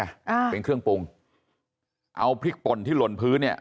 อ่าเป็นเครื่องปรุงเอาพริกป่นที่หล่นพื้นเนี้ย